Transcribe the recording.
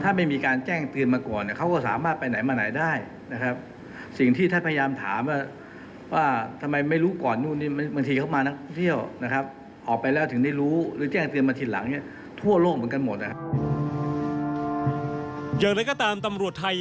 อย่างนึกก็ตามตำรวจไทยยังไม่พบประวัติของเขา